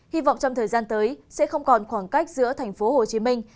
hy vọng trong thời gian tới sẽ không còn khoảng cách giữa thành phố hồ chí minh